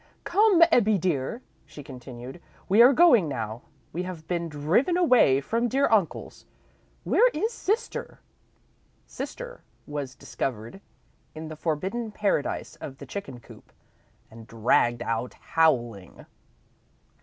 "Come, Ebbie, dear," she continued, "we are going now. We have been driven away from dear uncle's. Where is sister?" "Sister" was discovered in the forbidden Paradise of the chicken coop, and dragged out, howling.